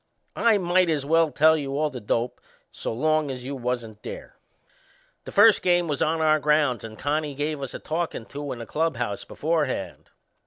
I might as well tell you all the dope, so long as you wasn't there. The first game was on our grounds and Connie give us a talkin' to in the clubhouse beforehand.